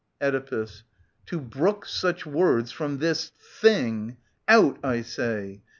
Oedipus. To brook such words from this thing ? Out, I say